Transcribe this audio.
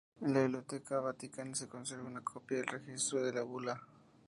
En la Biblioteca Vaticana se conserva una copia de registro de la bula.